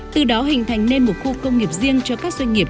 từ đó hình thành nên một khu công nghiệp riêng cho các doanh nghiệp